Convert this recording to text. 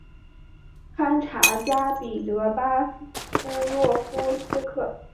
堪察加彼得巴夫洛夫斯克。